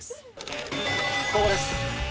ここです。